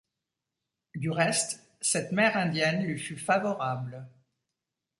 Du reste, cette mer indienne lui fut favorable.